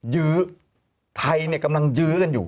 ยื้อไทยเนี่ยกำลังยื้อกันอยู่